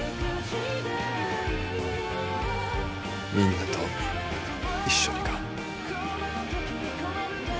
みんなと一緒にか？